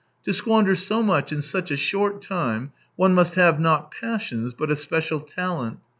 To squander so much in such a short time, one must have, not passions, but a special talent.